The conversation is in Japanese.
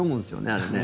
あれね。